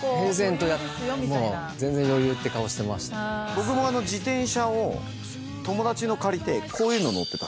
僕も自転車を友達の借りてこういうの乗ってた。